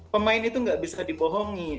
pemain itu tidak bisa dibohongi